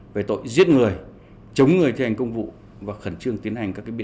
về tội giết người chống người thi hành công vụ và khẩn trương tiến hành các biện pháp